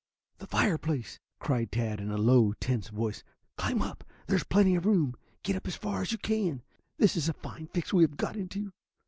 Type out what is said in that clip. "The fireplace," cried Tad in a low, tense voice. "Climb up! There's plenty of room. Get up as far as you can. This is a fine fix we have got into.